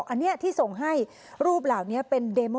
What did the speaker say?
อันนี้ที่ส่งให้รูปเหล่านี้เป็นเดโม